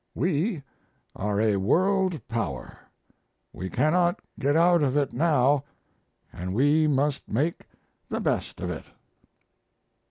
We are a World Power; we cannot get out of it now, and we must make the best of it.